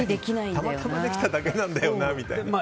たまたまできただけなんだよなみたいな。